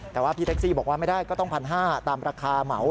แต่ว่าพี่แท็กซี่บอกว่าไม่ได้ก็ต้อง๑๕๐๐ตามราคาเหมา